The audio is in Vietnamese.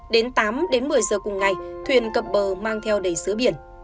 đến tám một mươi giờ cùng ngày thuyền cập bờ mang theo đầy sứa biển